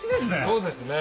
そうですね。